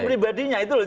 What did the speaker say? dan pribadinya itu loh